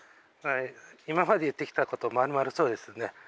今まで言ってきたことまるまるそうですね。